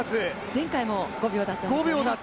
前回も５秒だったんですね。